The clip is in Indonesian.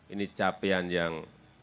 ini capaian yang